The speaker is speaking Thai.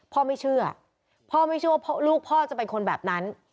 พ่อไม่เชื่อพ่อไม่เชื่อว่าลูกพ่อจะเป็นคนแบบนั้น